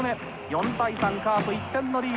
４対３カープ１点のリード。